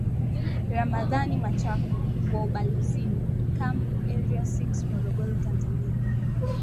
ramadhan machaku wa ubalozini camp area six morogoro tanzania